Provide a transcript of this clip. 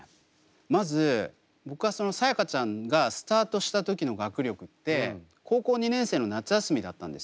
まず僕はそのさやかちゃんがスタートした時の学力って高校２年生の夏休みだったんですよ。